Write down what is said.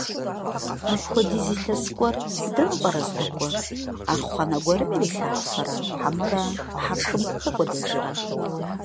Мыпхуэдиз илъэс кӏуэр дэну пӏэрэ здэкӏуэр? Архъуанэ гуэрым ирилъафэрэ хьэмэрэ хьэршым хэкӏуэдэжрэ?